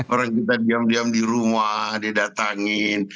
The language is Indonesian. orang kita diam diam di rumah didatangin